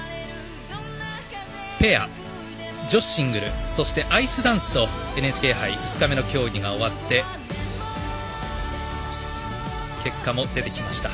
ペア、女子シングルそしてアイスダンスとＮＨＫ杯２日目の競技が終わって結果も出てきました。